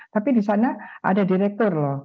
tapi di sana ada direktur loh